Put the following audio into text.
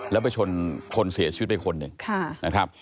แล้วไปชนคนเสียชีวิตไปคนหนึ่งนะครับ